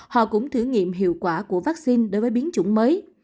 họ cũng thử nghiệm hiệu quả của vaccine đối với biến chủng mới